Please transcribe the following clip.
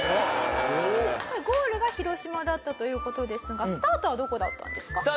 ゴールが広島だったという事ですがスタートはどこだったんですか？